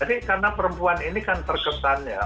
jadi karena perempuan ini kan terkesan ya